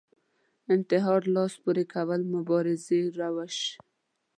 انتحار لاس پورې کول مبارزې روش